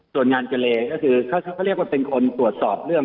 ส่วนงานเกเลก็คือเขาเรียกว่าเป็นคนตรวจสอบเรื่อง